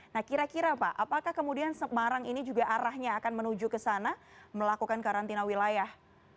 nah kira kira pak apakah kemudian semarang ini juga arahnya akan menuju ke sana melakukan karantina wilayah